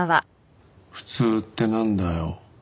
「普通って何だよ？」